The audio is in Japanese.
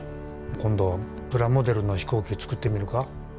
今度プラモデルの飛行機作ってみるか？